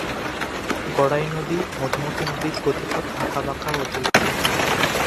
গড়াই নদী-মধুমতী নদীর গতিপথ আঁকাবাঁকা ও দীর্ঘ।